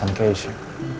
bukan urusan keisha